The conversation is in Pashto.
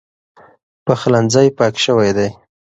پخلنځی پاک شوی دی.